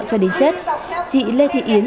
cho đến chết chị lê thị yến